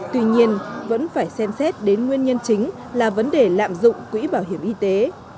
tuy nhiên vẫn phải xem xét đến nguyên nhân chính là vấn đề lạm dụng quỹ bảo hiểm y tế